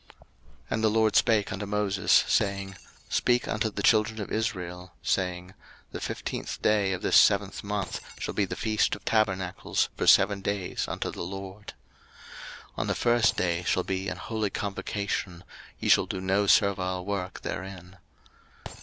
03:023:033 And the LORD spake unto Moses, saying, 03:023:034 Speak unto the children of Israel, saying, The fifteenth day of this seventh month shall be the feast of tabernacles for seven days unto the LORD. 03:023:035 On the first day shall be an holy convocation: ye shall do no servile work therein.